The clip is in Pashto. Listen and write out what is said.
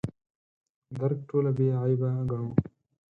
درک ټوله بې عیبه ګڼو.